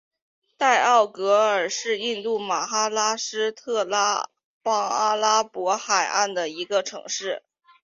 代奥格尔是印度马哈拉施特拉邦阿拉伯海岸的一个城市。